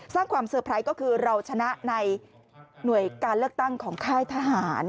สร้างความเซอร์ไพรส์ก็คือเราชนะในหน่วยการเลือกตั้งของค่ายทหาร